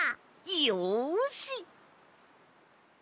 よし！